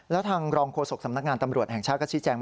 แล้วทางรองโฆษกสำนักงานตำรวจแห่งชาติก็ชี้แจง